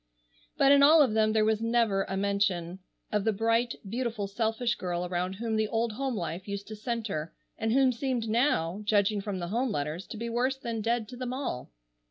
But in all of them there was never a mention of the bright, beautiful, selfish girl around whom the old home life used to centre and who seemed now, judging from the home letters, to be worse than dead to them all.